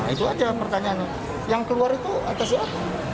itu aja pertanyaannya yang keluar itu atas ya